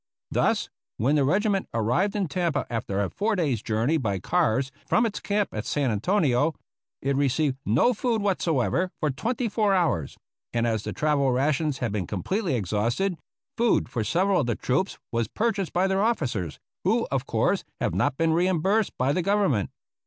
Thus, when the regiment arrived in Tampa after a four days' journey by cars from its camp at San Antonio, it received no food whatever for twenty four hours, and as the travel rations had been completely exhausted, food for several of the troops was purchased by their officers, who, of course, have not been reimbursed by the Government.